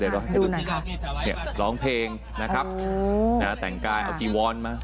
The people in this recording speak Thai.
เดี๋ยวร้องเพลงนะครับแต่งกายเอาจีวอนมา